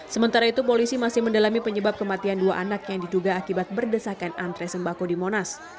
sementara itu polisi masih mendalami penyebab kematian dua anak yang diduga akibat berdesakan antre sembako di monas